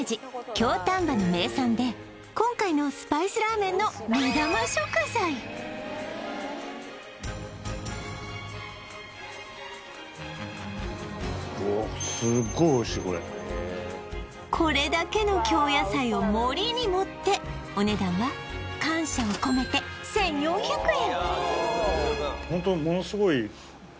京丹波の名産で今回のスパイスラーメンのおっこれだけの京野菜を盛りに盛ってお値段は感謝を込めて１４００円